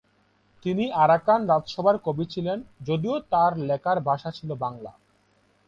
তিনি আরাকান রাজসভার কবি ছিলেন, যদিও তার লেখার ভাষা ছিলো বাংলা।